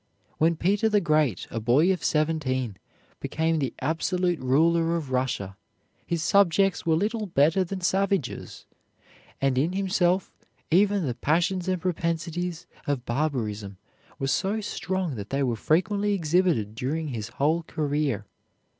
When Peter the Great, a boy of seventeen, became the absolute ruler of Russia his subjects were little better than savages, and in himself even the passions and propensities of barbarism were so strong that they were frequently exhibited during his whole career.